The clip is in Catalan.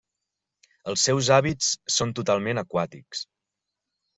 Els seus hàbits són totalment aquàtics.